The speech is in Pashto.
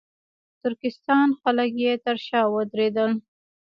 ترکستان خلک یې تر شا ودرېدل.